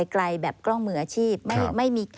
ไกลแบบกล้องมืออาชีพ